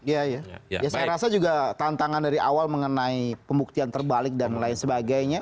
ya saya rasa juga tantangan dari awal mengenai pembuktian terbalik dan lain sebagainya